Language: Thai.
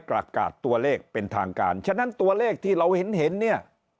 ประกาศตัวเลขเป็นทางการฉะนั้นตัวเลขที่เราเห็นเห็นเนี่ย